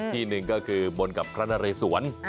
ที่หนึ่งก็คือบนกับพระนเรศวร